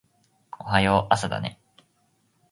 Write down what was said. おはよう朝だね